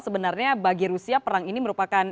sebenarnya bagi rusia perang ini merupakan